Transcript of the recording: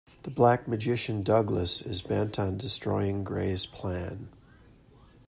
The black magician Douglas is bent on destroying Grey's plan.